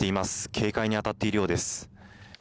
警戒に当たっているようです。